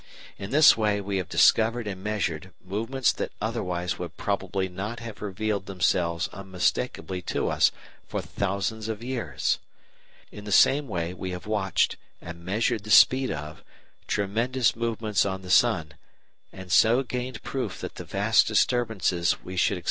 In this way we have discovered and measured movements that otherwise would probably not have revealed themselves unmistakably to us for thousands of years. In the same way we have watched, and measured the speed of, tremendous movements on the sun, and so gained proof that the vast disturbances we should expect there actually do occur.